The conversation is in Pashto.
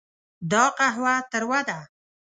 دا قهوه تروه ده.